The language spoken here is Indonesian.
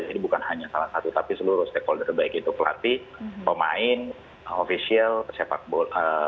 bukan hanya salah satu tapi seluruh stakeholder baik itu pelatih pemain ofisial sepak bola